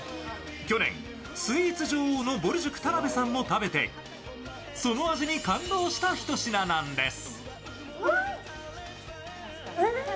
去年、スイーツ女王のぼる塾田辺さんが食べてその味に感動したひと品なんです。